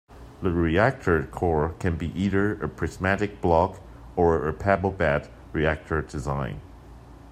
The reactor core can be either a prismatic-block or a pebble bed reactor design.